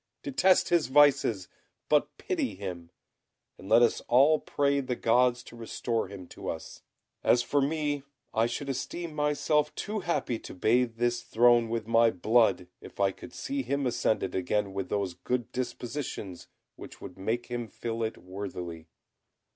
Detest his vices, but pity him, and let us all pray the gods to restore him to us. As for me, I should esteem myself too happy to bathe this throne with my blood, if I could see him ascend it again with those good dispositions which would make him fill it worthily."